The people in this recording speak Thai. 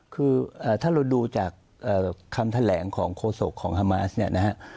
คือถ้าเราดูจากคำแถลงของโฆษกของฮามาสเนี่ยนะฮะ